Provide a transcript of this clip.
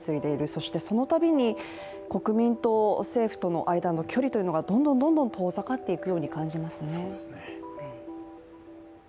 そしてそのたびに国民と政府との間の距離というのがどんどん遠ざかっていくように感じますね。